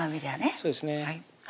そうですね